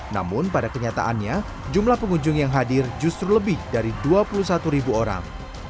namun pada kenyataannya jumlah pengunjung yang hadir justru lebih dari dua puluh satu ribu orang